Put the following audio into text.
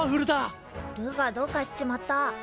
ルーがどうかしちまった。